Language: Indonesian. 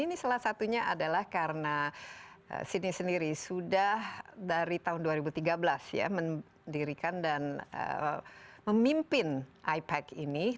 ini salah satunya adalah karena sydney sendiri sudah dari tahun dua ribu tiga belas ya mendirikan dan memimpin ipac ini